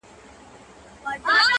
په بې صبری معشوقې چا میندلي دینه!!